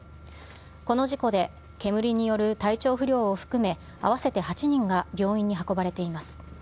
この事故で煙による体調不良を含め、合わせて８人が病院に運ばれています。